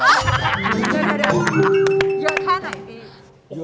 เดี๋ยวเยอะแค่ไหนดี